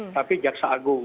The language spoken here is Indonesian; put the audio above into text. tapi kejaksaan agung